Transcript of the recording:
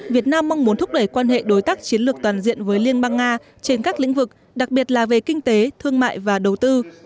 việt nam mong muốn thúc đẩy quan hệ đối tác chiến lược toàn diện với liên bang nga trên các lĩnh vực đặc biệt là về kinh tế thương mại và đầu tư